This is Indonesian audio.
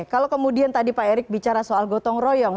kalau kemudian tadi pak erick bicara soal gotong royong